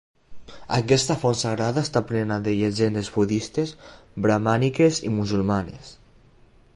Aquesta font sagrada està plena de llegendes budistes, bramàniques i musulmanes.